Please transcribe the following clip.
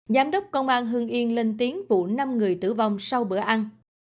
giám đốc công an hương yên lên tiếng vụ năm người tử vong sau bữa ăn